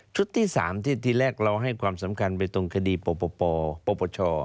ที่๓ที่แรกเราให้ความสำคัญไปตรงคดีปปช